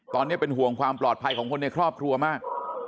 ตอนนี้เป็นห่วงความปลอดภัยของคนในครอบครัวมาก